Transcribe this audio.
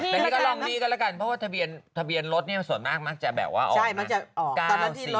แต่นี่ก็ลองนี่ก็แล้วกันเพราะว่าทะเบียนรถเนี่ยส่วนมากมักจะแบบว่าออกกำลังสี